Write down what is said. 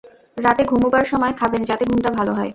রাতে ঘুমুবার সময় খাবেন যাতে ঘুমটা ভাল হয়।